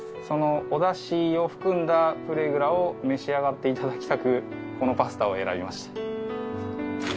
お出汁を含んだフレーグラを召し上がって頂きたくこのパスタを選びました。